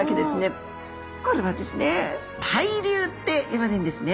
これはですね対流っていわれるんですね。